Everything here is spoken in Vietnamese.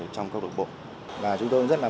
trong câu lạc bộ và chúng tôi rất là